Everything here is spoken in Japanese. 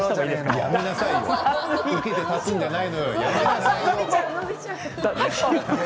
受けて立つんじゃないよ